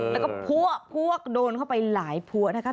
แล้วก็พวกโดนเข้าไปหลายพัวนะคะ